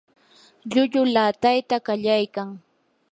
llulluu laatayta qallaykan.